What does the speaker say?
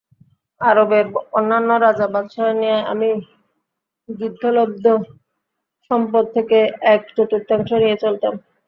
আরবের অন্যান্য রাজা বাদশাহদের ন্যায় আমি যুদ্ধলব্ধ সম্পদ থেকে এক চতুর্থাংশ নিয়ে চলতাম।